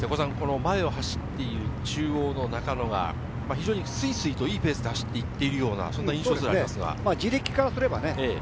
前を走っている中央の中野が非常にスイスイといいペースで走って行っているような印象ですね。